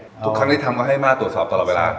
ทุกครั้งที่ทำก็ให้ม่าตรวจสอบตลอดเวลา